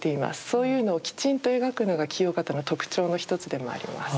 そういうのをきちんと描くのが清方の特徴の一つでもあります。